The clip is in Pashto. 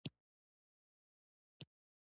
پښتو متل: د ورځې توبې اوباسي، د شپې تمبې اوباسي.